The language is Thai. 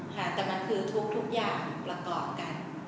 ค่ะแต่มันคือทุกอย่างประกอบกัน